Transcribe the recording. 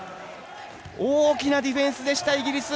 大きなディフェンスでしたイギリス。